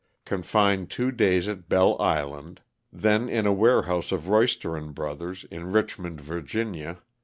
confined two days at Belle Island, then in a warehouse of Royster & Bros, in Richmond, Va.